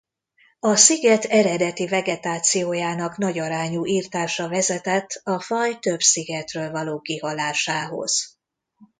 A sziget eredeti vegetációjának nagyarányú irtása vezetett a faj több szigetről való kihalásához.